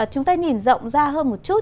chúng ta nhìn rộng ra hơn một chút